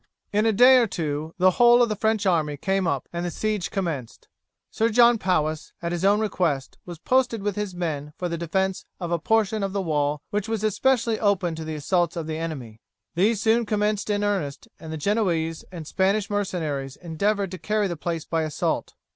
In a day or two the whole of the French army came up, and the siege commenced. Sir John Powis, at his own request, was posted with his men for the defence of a portion of the wall which was especially open to the assaults of the enemy. These soon commenced in earnest, and the Genoese and Spanish mercenaries endeavoured to carry the place by assault.